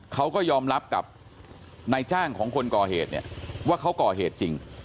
เขาก็ยอมรับกับนายจ้างของคนก่อเหตุเนี่ยว่าเขาก่อเหตุจริง